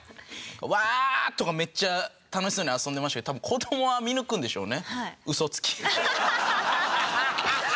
うわ！とかめっちゃ楽しそうに遊んでましたけど多分子どもは見抜くんでしょうね。